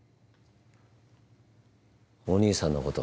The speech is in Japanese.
お兄さんのこと。